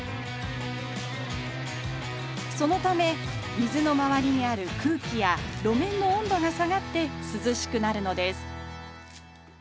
そのため水のまわりにある空気や路面の温度が下がってすずしくなるのです